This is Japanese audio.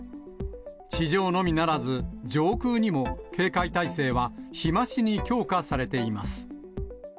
地上のみならず、上空にも警戒態勢は日増しに強化されています。